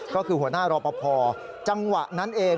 ก็คือหัวหน้ารอปภจังหวะนั้นเอง